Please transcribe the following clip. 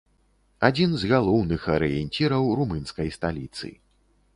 Адзін з галоўных арыенціраў румынскай сталіцы.